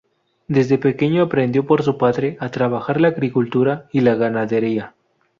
Desde pequeño aprendió por su padre a trabajar la agricultura y la ganadería.